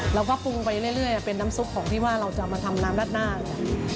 เราก็ปรุงไปเรื่อยเป็นน้ำซุปของที่ว่าเราจะเอามาทำน้ำรัดหน้าเนี่ย